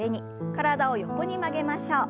体を横に曲げましょう。